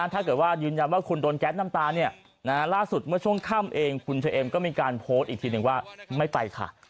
ถ้าเกิดว่ายืนยันว่าคุณโดนแก๊สน้ำตาล่าสุดเมื่อช่วงค่ำเองคุณเชอเอ็มก็มีการโพสต์อีกทีนึงว่าไม่ไปค่ะ